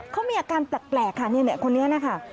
เขามีอาการแปลกค่ะคนนี้นะคะ